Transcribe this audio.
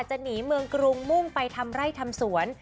จะหนีเมืองกรุงมุ่งไปทำไร่ทำสวน